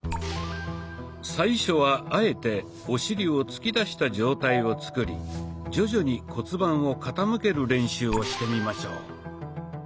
最初はあえてお尻を突き出した状態を作り徐々に骨盤を傾ける練習をしてみましょう。